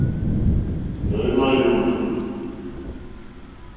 Tɔ̀ímá yǒmà.